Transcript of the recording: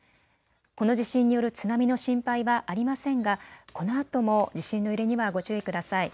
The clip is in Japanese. この地震による津波の心配はありませんが、このあとも地震の揺れにはご注意ください。